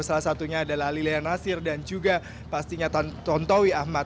salah satunya adalah lilian nasir dan juga pastinya tontowi ahmad